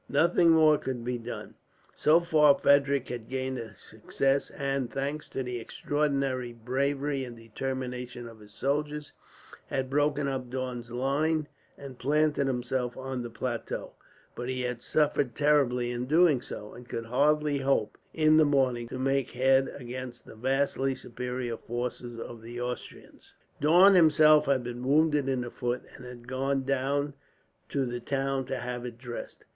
Nothing more could to be done. So far Frederick had gained a success and, thanks to the extraordinary bravery and determination of his soldiers, had broken up Daun's line and planted himself on the plateau; but he had suffered terribly in doing so, and could hardly hope, in the morning, to make head against the vastly superior forces of the Austrians. Daun himself had been wounded in the foot, and had gone down to the town to have it dressed.